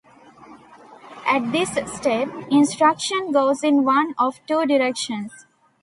At this step, instruction goes in one of two directions.